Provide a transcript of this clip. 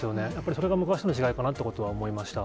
それが昔との違いかなとは思いました。